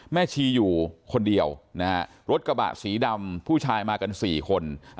ชีอยู่คนเดียวนะฮะรถกระบะสีดำผู้ชายมากัน๔คน